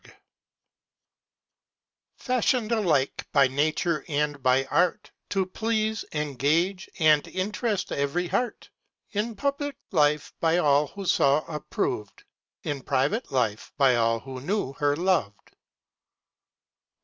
_ Fashion’d alike by nature and by art, To please, engage, and int’rest ev’ry heart: In publick life, by all who saw, approv’d; In private life, by all who knew her lov’d.